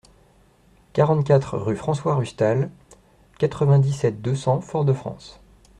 quarante-quatre rue François Rustal, quatre-vingt-dix-sept, deux cents, Fort-de-France